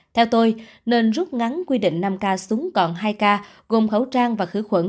theo tôi nên rút ngắn quy định năm k xuống còn hai k gồm khẩu trang và khử khuẩn